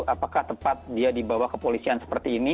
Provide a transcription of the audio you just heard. apakah tepat dia dibawa kepolisian seperti ini